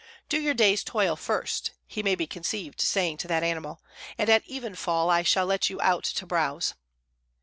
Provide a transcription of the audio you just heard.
"Do your day's toil first," he may be conceived saying to that animal, "and at evenfall I shall let you out to browse."